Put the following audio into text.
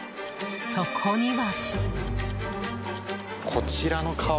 そこには。